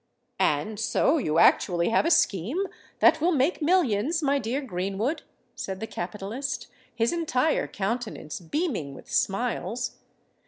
"And so you actually have a scheme that will make millions, my dear Greenwood?" said the capitalist, his entire countenance beaming with smiles.